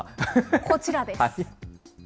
こちらです。